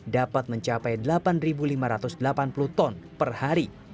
dapat mencapai delapan lima ratus delapan puluh ton per hari